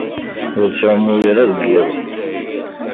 Ur ttɛumuɣ ara deg iḍ.